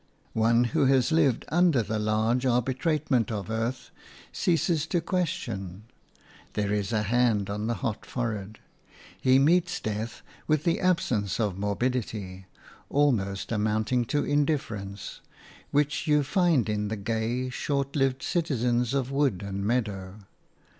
One who has lived under the large arbitrament of earth ceases to question. There is a hand on the hot forehead. He meets death with the absence of morbidity – almost amounting to indifference – which you find in the gay, short lived citizens of wood and meadow.